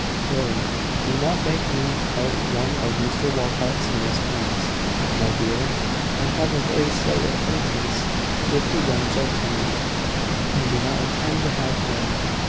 "Pray, do not make me out one of Mr Walcot's nearest friends, my dear. I have a very slight acquaintance with the young gentleman, and do not intend to have more."